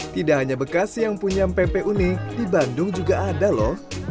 tidak hanya bekasi yang punya pempek unik di bandung juga ada lho